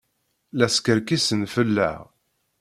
La skerkisen fell-aɣ.